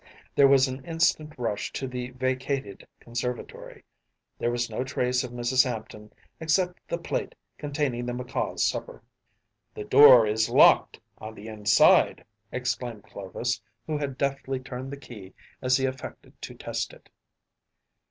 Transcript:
There was an instant rush to the vacated conservatory. There was no trace of Mrs. Hampton except the plate containing the macaws’ supper. “The door is locked on the inside!‚ÄĚ exclaimed Clovis, who had deftly turned the key as he affected to test it.